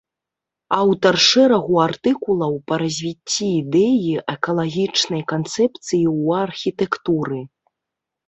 Аўтар шэрагу артыкулаў па развіцці ідэі экалагічнай канцэпцыі ў архітэктуры.